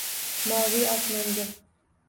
Moviy osmonga